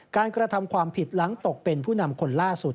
กระทำความผิดหลังตกเป็นผู้นำคนล่าสุด